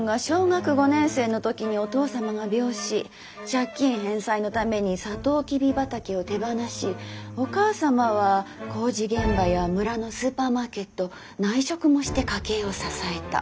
借金返済のためにサトウキビ畑を手放しお母様は工事現場や村のスーパーマーケット内職もして家計を支えた。